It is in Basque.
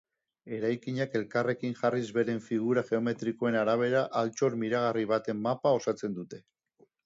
Eraikinak elkarrekin jarriz beren figura geometrikoen arabera altxor miragarri baten mapa osatzen dute.